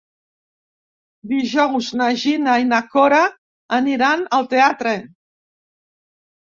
Dijous na Gina i na Cora aniran al teatre.